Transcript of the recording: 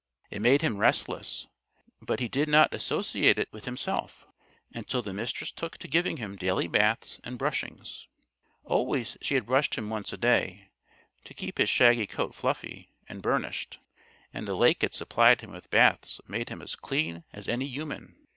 It made him restless, but he did not associate it with himself until the Mistress took to giving him daily baths and brushings. Always she had brushed him once a day, to keep his shaggy coat fluffy and burnished; and the lake had supplied him with baths that made him as clean as any human.